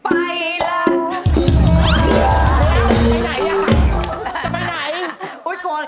อ้าว